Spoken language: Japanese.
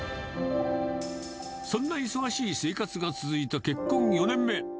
そんな忙しい生活が続いた結婚４年目。